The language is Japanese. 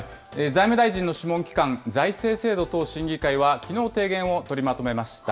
財務大臣の諮問機関、財政制度等審議会はきのう、提言を取りまとめました。